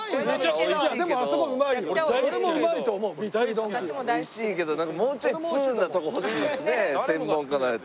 おいしいけどもうちょい通なとこ欲しいですね専門家なんやったら。